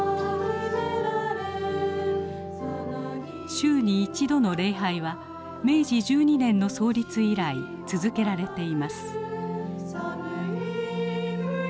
週に１度の礼拝は明治１２年の創立以来続けられています。